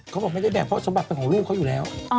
เขาบอกไม่ได้แบ่งเพราะสมบัติเป็นของลูกเขาอยู่แล้ว